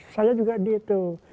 saya juga seperti itu